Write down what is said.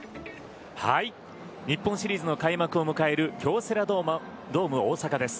日本シリーズの開幕を迎える京セラドーム大阪です。